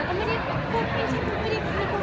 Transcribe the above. ก็ไม่ได้พูดความจริงขาวไม่ได้พูดความจริง